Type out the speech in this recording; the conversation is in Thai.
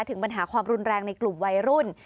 ถึงปัญหาความรุนแรงในกลุ่มวัยรุ่น